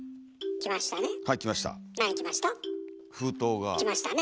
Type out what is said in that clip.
きましたね。